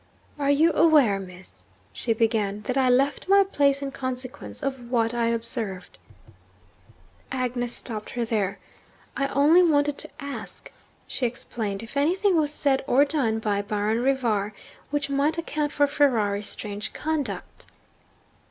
'Are you aware, Miss,' she began, 'that I left my place in consequence of what I observed ?' Agnes stopped her there. 'I only wanted to ask,' she explained, 'if anything was said or done by Baron Rivar which might account for Ferrari's strange conduct.'